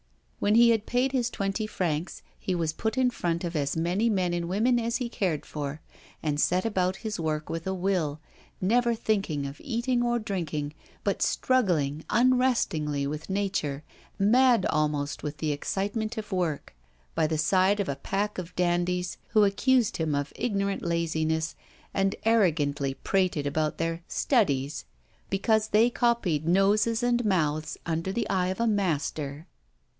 When he had paid his twenty francs he was put in front of as many men and women as he cared for, and set about his work with a will, never thinking of eating or drinking, but struggling unrestingly with nature, mad almost with the excitement of work, by the side of a pack of dandies who accused him of ignorant laziness, and arrogantly prated about their 'studies,' because they copied noses and mouths, under the eye of a master.